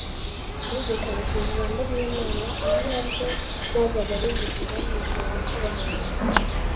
Yumvikanishije Ijambo ry'Imana, ari naryo ryajyaga rivugira mu kanwa k'abahanuzi